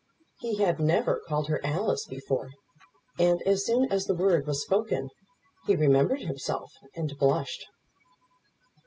He had never called her Alice before, and as soon as the word was spoken, he remembered himself and blushed.